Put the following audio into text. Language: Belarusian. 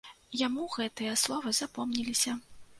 Яму гэтыя словы запомніліся.